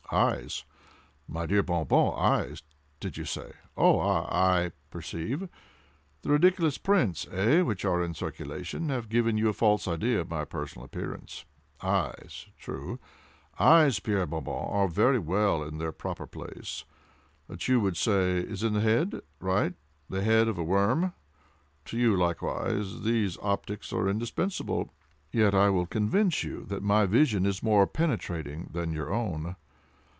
"Eyes! my dear Bon Bon—eyes! did you say?—oh!—ah!—I perceive! The ridiculous prints, eh, which are in, circulation, have given you a false idea of my personal appearance? Eyes!—true. Eyes, Pierre Bon Bon, are very well in their proper place—that, you would say, is the head?—right—the head of a worm. To you, likewise, these optics are indispensable—yet I will convince you that my vision is more penetrating than your own.